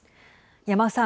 山尾さん。